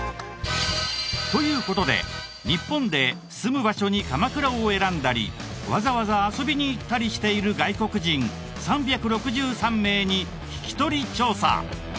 という事で日本で住む場所に鎌倉を選んだりわざわざ遊びに行ったりしている外国人３６３名に聞き取り調査！